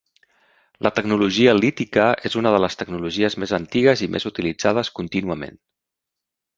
La tecnologia lítica és una de les tecnologies més antigues i més utilitzades contínuament.